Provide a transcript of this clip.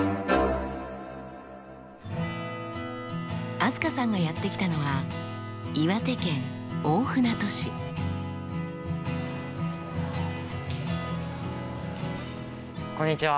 飛鳥さんがやって来たのはこんにちは。